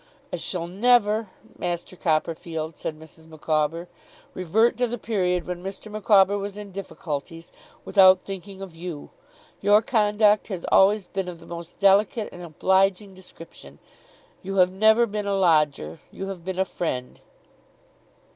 'I shall never, Master Copperfield,' said Mrs. Micawber, 'revert to the period when Mr. Micawber was in difficulties, without thinking of you. Your conduct has always been of the most delicate and obliging description. You have never been a lodger. You have been a friend.